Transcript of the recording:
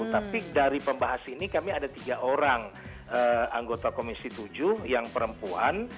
tapi dari pembahas ini kami ada tiga orang anggota komisi tujuh yang perempuan